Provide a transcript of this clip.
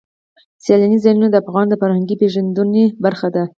سیلانی ځایونه د افغانانو د فرهنګي پیژندنې برخه ده.